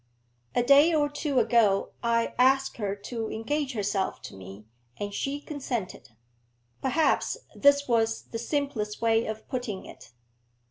'A day or two ago I asked her to engage herself to me, and she consented.' Perhaps this was the simplest way of putting it.